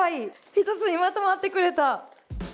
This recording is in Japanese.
一つにまとまってくれた。